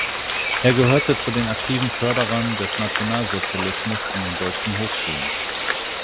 Er gehörte zu den aktiven Förderern des Nationalsozialismus an den deutschen Hochschulen.